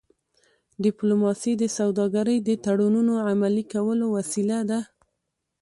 ډيپلوماسي د سوداګری د تړونونو عملي کولو وسیله ده.